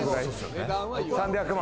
３００万？